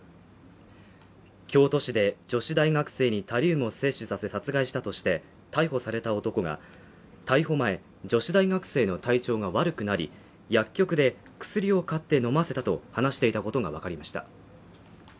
京都市で女子大学生にタリウムを摂取させ殺害したとして逮捕された男が、逮捕前、女子大学生の体調が悪くなり、薬局で薬を買って飲ませたと話していたことがわかりました。